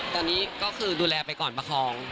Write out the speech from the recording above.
ตอนนี้ก็คือดูแลไปก่อนประคอง